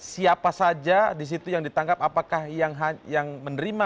siapa saja disitu yang ditangkap apakah yang menerima